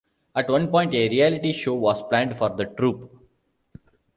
At one point, a reality show was planned for the troupe.